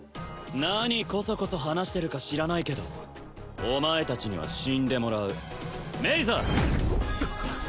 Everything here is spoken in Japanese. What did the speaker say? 何コソコソ話してるか知らないけどお前達には死んでもらうメイザ！